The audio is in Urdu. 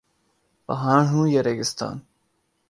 پہاڑ ہوں یا ریگستان